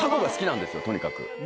とにかく。